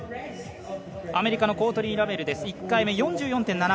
アメリカのコートニー・ラメル１回目４４．７５。